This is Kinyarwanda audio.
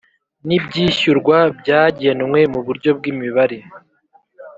N’ibyishyurwa byagenwe mu buryo bw’imibare